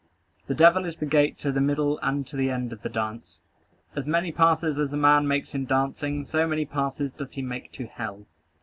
The devil is the gate to the middle and to the end of the dance. As many passes as a man makes in dancing, so many passes doth he make to hell."